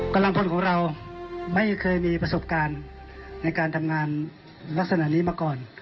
กำลังพลของเราไม่เคยมีประสบการณ์ในการทำงานลักษณะนี้มาก่อน